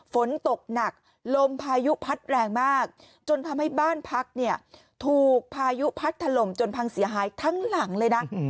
ฝนตกหนักลมพายุพัดแรงมากจนทำให้บ้านพักเนี่ยถูกพายุพัดถล่มจนพังเสียหายทั้งหลังเลยนะ